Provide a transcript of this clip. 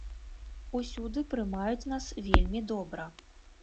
Усюды прымаюць нас вельмі добра.